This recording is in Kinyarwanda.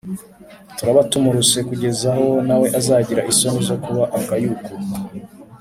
Turaba tumuruse ku geza aho nawe azagira isoni zo kuba akayuku.